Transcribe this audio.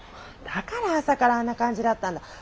だから朝からあんな感じだったんだ。